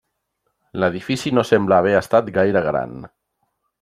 L'edifici no sembla haver estat gaire gran.